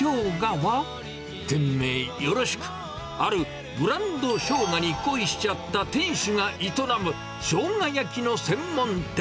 は、店名よろしく、あるブランドショウガに恋しちゃった店主が営むショウガ焼きの専門店。